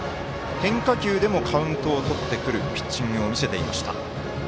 変化球でもカウントをとってくるピッチングを見せていました。